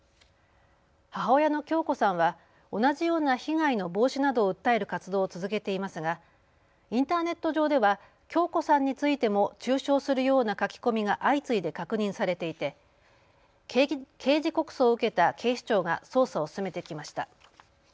母親の響子さんは同じような被害の防止などを訴える活動を続けていますがインターネット上では響子さんについても中傷するような書き込みが相次いで確認されていて刑事告訴を受けた警視庁が捜査を進めてきました。